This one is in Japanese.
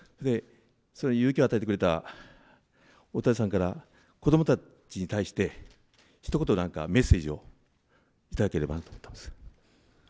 勇気を与えてくれた大谷さんから子どもたちに対してひと言、なんかメッセージをいただければと思います。